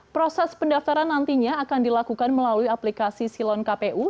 proses pendaftaran nantinya akan dilakukan melalui aplikasi silon kpu